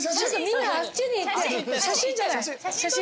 みんなあっちに行って写真じゃない写真。